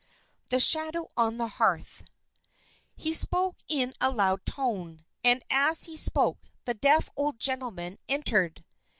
The Shadow on the Hearth He spoke in a loud tone; and as he spoke, the deaf old gentleman entered.